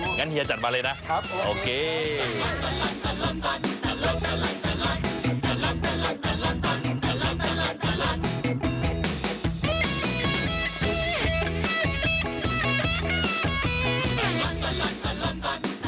อย่างนั้นเฮียจัดมาเลยนะโอเคนะครับครับ